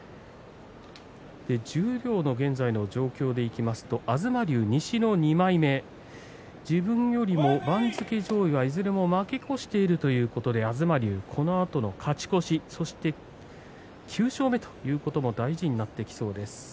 十両の現在の状況でいきますと東龍、西の２枚目自分よりも番付上位が、いずれも負け越しているということで東龍、このあとの勝ち越しそして９勝目ということも大事になってきそうです。